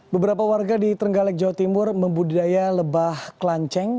beberapa warga di trenggalek jawa timur membudidaya lebah kelanceng